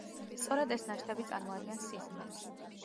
სწორედ ეს ნაშთები წარმოადგენს სიზმრებს.